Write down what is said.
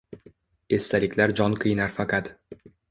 Esdaliklar jon qiynar faqat.